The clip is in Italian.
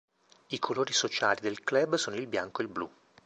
I colori sociali del club sono il bianco e il blu.